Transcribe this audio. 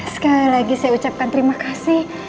sekali lagi saya ucapkan terima kasih